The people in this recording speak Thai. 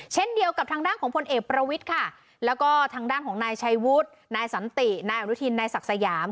เช่นเดียวกับทางด้านของพลเอกประวิทย์ค่ะแล้วก็ทางด้านของนายชัยวุฒินายสันตินายอนุทินนายศักดิ์สยาม